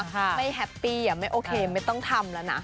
แมทบอกว่าไม่แฮปปี้ไม่ต้องทำแล้วนะ